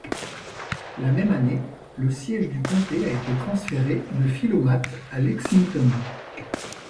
La même année, le siège du comté a été transféré de Philomath à Lexington.